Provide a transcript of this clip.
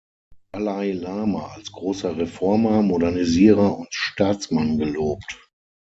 Dalai Lama als großer Reformer, Modernisierer und Staatsmann gelobt.